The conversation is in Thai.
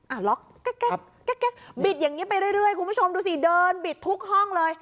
ล็อกแก๊กแก๊กบิดอย่างนี้ไปเรื่อยคุณผู้ชมดูสิเดินบิดทุกห้องเลย